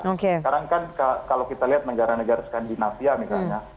sekarang kan kalau kita lihat negara negara skandinavia misalnya